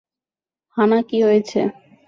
হা-না, কী হয়েছে?